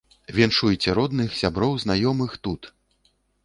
Віншуйце родных, сяброў, знаёмых тут!